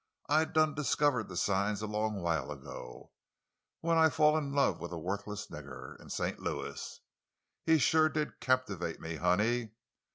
I done discover the signs a long while ago—when I fall in love with a worfless nigger in St. Louis. He shuah did captivate me, honey.